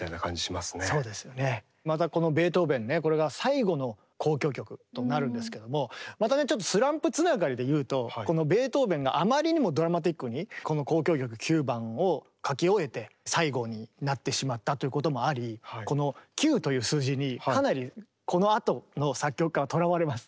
またこのベートーベンねこれが最後の交響曲となるんですけどもまたねちょっとスランプつながりで言うとこのベートーベンがあまりにもドラマティックにこの「交響曲９番」を書き終えて最後になってしまったということもありこの「９」という数字にかなりこのあとの作曲家はとらわれます。